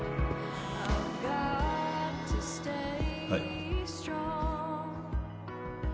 はい